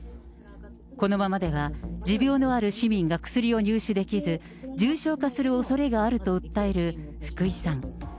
このままでは持病のある市民が薬を入手できず、重症化するおそれがあると訴えるふくいさん。